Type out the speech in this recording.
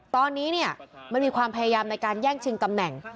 ตอนนี้มันมีความพยายามในการแย่งชิงตำแหน่ง